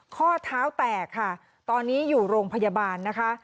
ข้อเท้าแตกค่ะตอนนี้อยู่โรงพยาบาลนะคะ